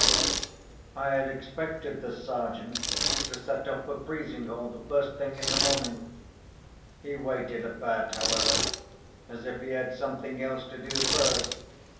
I had expected the Sergeant to set off for Frizinghall the first thing in the morning. He waited about, however, as if he had something else to do first.